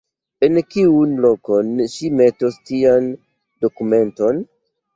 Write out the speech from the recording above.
En kiun lokon ŝi metos tian dokumenton?